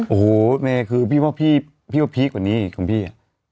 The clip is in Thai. โอ้โหเมคคือพี่ว่าพี่กว่านี้คุณพี่